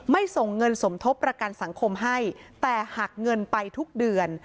ส่งเงินสมทบประกันสังคมให้แต่หักเงินไปทุกเดือน